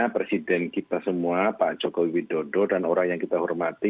presiden kita semua pak jokowi widodo dan orang yang kita hormati